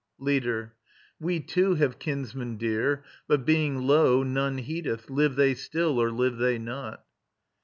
LEADER. We too have kinsmen dear, but, being low, None heedeth, live they still or live they not.